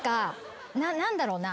何だろうな。